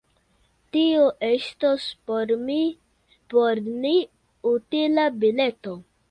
Tio estos por ni utila bileto!